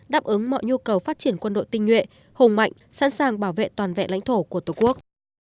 đáp ứng mọi nhu cầu phát triển quân đội tinh nhuệ hùng mạnh sẵn sàng bảo vệ toàn vẹn lãnh thổ của tổ quốc